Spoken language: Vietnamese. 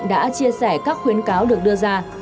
chín giờ hơn ý